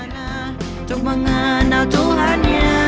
untuk mengandalkan tuhan